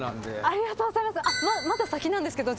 あっまだ先なんですけど。